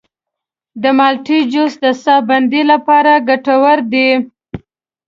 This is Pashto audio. د مالټې جوس د ساه بندۍ لپاره ګټور دی.